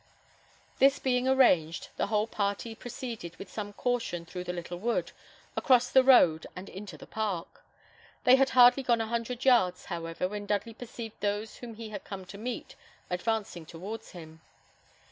This being arranged, the whole party proceeded with some caution through the little wood, across the road, and into the park. They had hardly gone a hundred yards, however, when Dudley perceived those whom he had come to meet, advancing towards him.